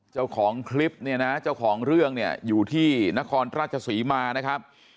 เจ้าของคลิปเนี่ยนะเจ้าของเรื่องเนี่ยอยู่ที่นครราชศรีมานะครับ